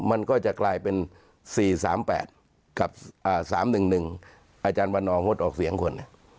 มันก็จะกลายเป็น๔๓๘กับ๓๑๑อาจารย์วันนองดออกเสียงคน